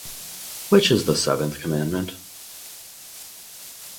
Which is the seventh commandment?